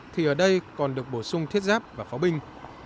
thì ở đây còn được bổ sung thiết giáp và pháo binh